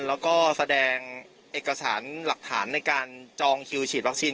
แล้วก็แสดงเอกสารหลักฐานในการจองคิวฉีดวัคซีน